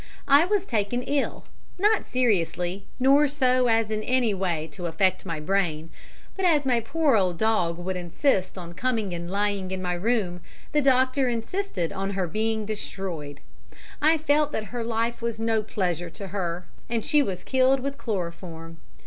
I was taken ill, not seriously, nor so as in any way to affect my brain, but as my poor old dog would insist on coming and lying in my room the doctor insisted on her being destroyed. I felt that her life was no pleasure to her, and she was killed with chloroform.